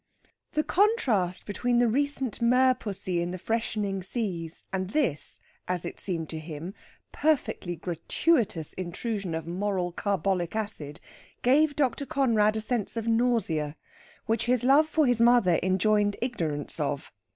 The contrast between the recent merpussy in the freshening seas, and this, as it seemed to him, perfectly gratuitous intrusion of moral carbolic acid, gave Dr. Conrad a sense of nausea, which his love for his mother enjoined ignorance of.